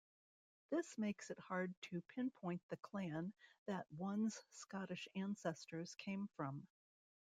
This makes it hard to pinpoint the clan that one's Scottish ancestors came from.